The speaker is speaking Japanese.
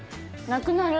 なくなる！